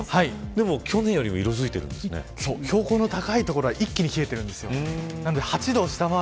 でも、去年よりも標高の高い所は一気に冷えてるんですよ。